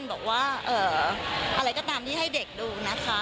บอกว่าอะไรก็ตามที่ให้เด็กดูนะคะ